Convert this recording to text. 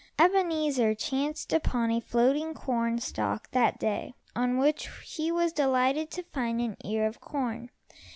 Ebenezer chanced upon a floating corn stalk that day, on which he was delighted to find an ear of corn.